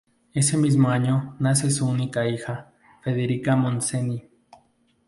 Ese mismo año nace su única hija, Federica Montseny.